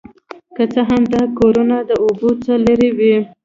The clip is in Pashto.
که څه هم دا کورونه د اوبو څخه لرې وي